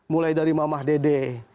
mulai dari mama dede